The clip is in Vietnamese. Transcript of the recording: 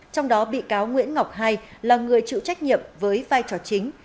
trong đó bị cáo nguyễn ngọc hai là người chịu trách nhiệm với vai trò chính